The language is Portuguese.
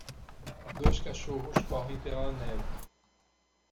Dois cachorros correm pela neve.